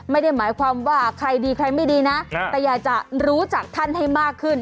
ไม่ได้หมายความว่าใครดีใครไม่ดีนะแต่อยากจะรู้จักท่านให้มากขึ้น